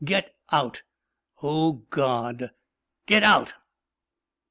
Get out, oh, God, get out!"